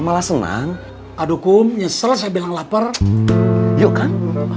malah senang aduh kum nyesel saya bilang lapar yuk kan